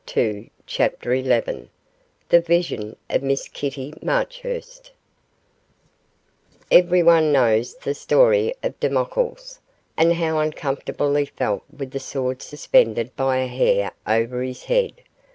CHAPTER XI THE VISION OF MISS KITTY MARCHURST Everyone knows the story of Damocles, and how uncomfortable he felt with the sword suspended by a hair over his head.